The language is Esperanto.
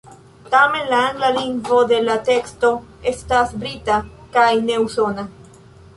Tamen la angla lingvo de la teksto estas brita kaj ne usona.